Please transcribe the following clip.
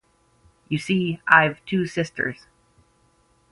You see, I've two sisters.